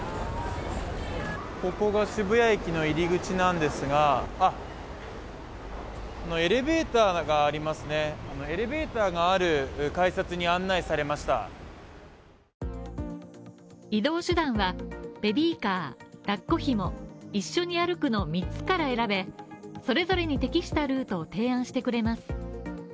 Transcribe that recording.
ここが渋谷駅の入り口なんですが、エレベーターがありますね、エレベーターがある改札に案内されました移動手段はベビーカー抱っこ紐、一緒に歩くの三つから選べ、それぞれに適したルートを提案してくれます。